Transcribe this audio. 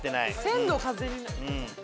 千の風に。